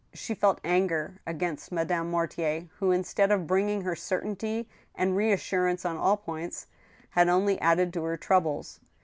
She* felt anger against Madame Mortier, who, instead of bringing her certainty and reassurance on all points, had only added to her troubles.